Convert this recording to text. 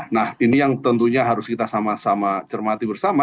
nah ini yang tentunya harus kita sama sama cermati bersama